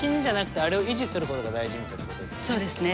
そうですね。